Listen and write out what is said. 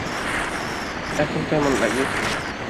এখন কেমন লাগে?